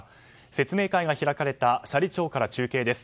説明会が開かれた斜里町から中継です。